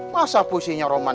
masa puisinya roman